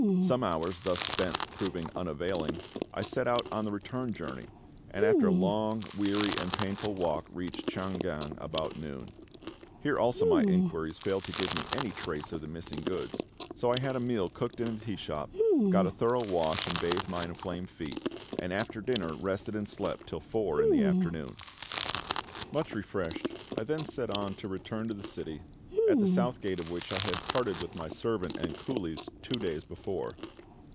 Some hours thus spent proving unavailing, I set out on the return journey, and after a long, weary, and painful walk reached Chang gan about noon. Here also my inquiries failed to give me any trace of the missing goods; so I had a meal cooked in a tea shop, got a thorough wash and bathed my inflamed feet, and after dinner rested and slept till four in the afternoon. Much refreshed, I then set on to return to the city, at the South Gate of which I had parted with my servant and coolies two days before.